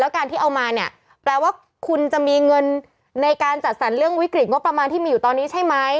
การที่เอามาเนี่ยแปลว่าคุณจะมีเงินในการจัดสรรเรื่องวิกฤตงบประมาณที่มีอยู่ตอนนี้ใช่ไหม